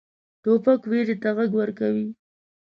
توپک ویرې ته غږ ورکوي.